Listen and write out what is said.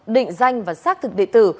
định danh và xác thực địa tử